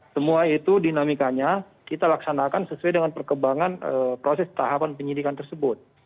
semua itu dinamikanya kita laksanakan sesuai dengan perkembangan proses tahapan penyidikan tersebut